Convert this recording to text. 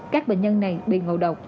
các bệnh nhân này bị ngộ độc